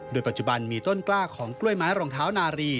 โดยปัจจุบันมีต้นกล้าของกล้วยไม้รองเท้านารี